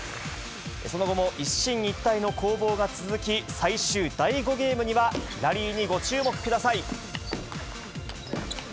その後も一進一退の攻防が続き、最終第５ゲームには、ラリーにご注目ください。